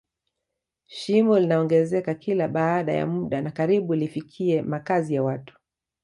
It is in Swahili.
shimo linaongezeka kila baada ya muda na karibu lifikie makazi ya watu